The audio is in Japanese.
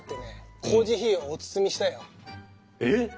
えっ！